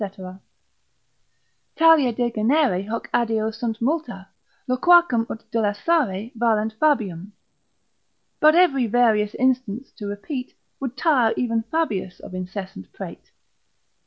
Talia de genere hoc adeo sunt multa, loquacem ut Delassare valent Fabium.——— But, every various instance to repeat, Would tire even Fabius of incessant prate.